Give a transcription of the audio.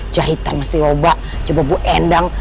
jahitan mesti oba coba buendang